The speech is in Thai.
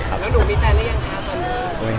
แล้วคุณดูมีแฟนเรียกยังไงความสนเรื่อง